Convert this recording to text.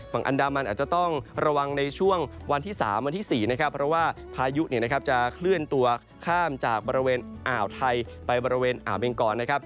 ฝั่งอันดามันอาจจะต้องระวังในช่วงวันที่๓วันที่๔นะครับเพราะว่าพายุจะเคลื่อนตัวข้ามจากบริเวณอ่าวไทยไปบริเวณอ่าวเบงกรนะครับ